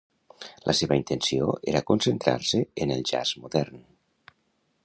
La seva intenció era concentrar-se en el jazz modern.